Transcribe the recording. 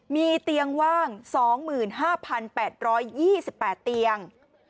มีเตียงว่าง๒๕๘๒๘เตียง